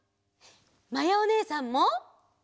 まやおねえさんも！